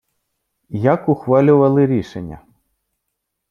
Як ухвалювали рішення?